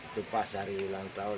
itu pas hari ulang tahun